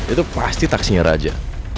itu pasti taksinya raja